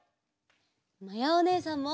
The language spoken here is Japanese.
まやおねえさんも。